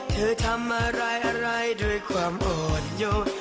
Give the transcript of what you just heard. เธอทำอะไรด้วยความโอดโยด